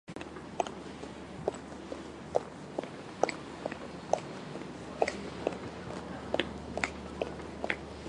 握力が弱い